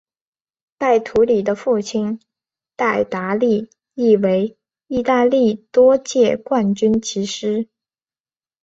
戴图理的父亲戴达利亦为意大利多届冠军骑师。